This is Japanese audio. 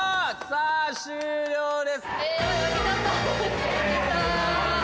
さあ終了です！